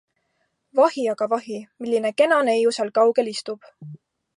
Vahi aga vahi, milline kena neiu seal kaugel istub.